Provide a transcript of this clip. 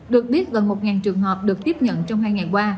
được biết gần một trường hợp được tiếp nhận trong hai ngày qua